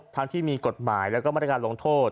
ทั้งที่มีกฎหมายและบริการลงโทษ